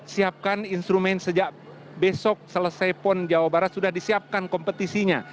siapkan instrumen sejak besok selesai pon jawa barat sudah disiapkan kompetisinya